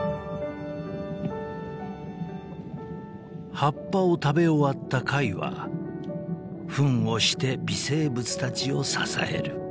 ［葉っぱを食べ終わった貝はふんをして微生物たちを支える］